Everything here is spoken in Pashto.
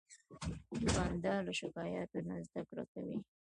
دوکاندار له شکایتونو نه زدهکړه کوي.